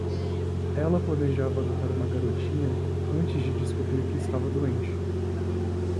Ela planejava adotar uma garotinha antes de descobrir que estava doente.